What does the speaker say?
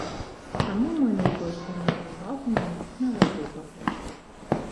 Таму мы найбольш звярнулі ўвагу менавіта на гэтыя два пункты.